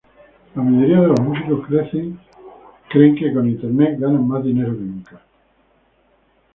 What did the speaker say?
la mayoría de los músicos creen que con Internet ganan más dinero que nunca